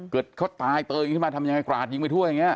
เกิดเขาตายเตยขึ้นมาทำยังไงกราดยิงไปทั่วอย่างนี้